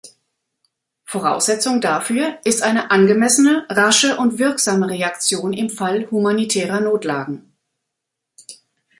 Voraussetzung dafür ist eine angemessene, rasche und wirksame Reaktion im Fall humanitärer Notlagen.